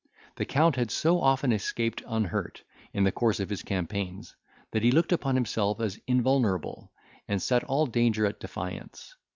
The Count had so often escaped unhurt, in the course of his campaigns, that he looked upon himself as invulnerable, and set all danger at defiance.